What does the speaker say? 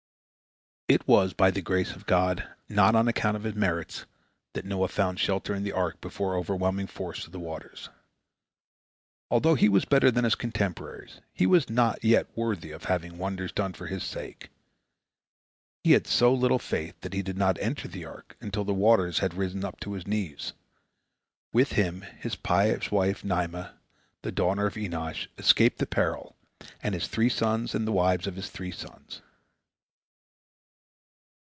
It was by the grace of God, not on account of his merits, that Noah found shelter in the ark before the overwhelming force of the waters. Although he was better than his contemporaries, he was yet not worthy of having wonders done for his sake. He had so little faith that he did not enter the ark until the waters had risen to his knees. With him his pious wife Naamah, the daughter of Enosh, escaped the peril, and his three sons, and the wives of his three sons.